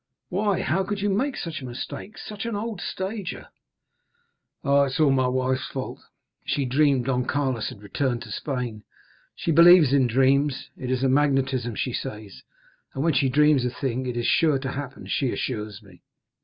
"Why, how could you make such a mistake—such an old stager?" "Oh, it is all my wife's fault. She dreamed Don Carlos had returned to Spain; she believes in dreams. It is magnetism, she says, and when she dreams a thing it is sure to happen, she assures me.